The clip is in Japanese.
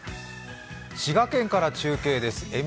滋賀県から中継です